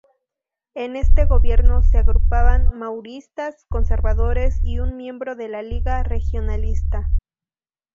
En este gobierno se agrupaban mauristas, conservadores y un miembro de la Lliga Regionalista.